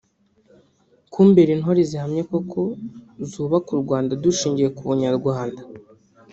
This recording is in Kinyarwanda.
kumbera intore zihamye koko zubaka u Rwanda dushingiye ku bunyarwanda